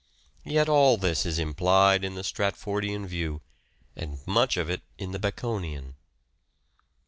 Yet all this is implied in the Stratfordian view, and much of it in the Baconian.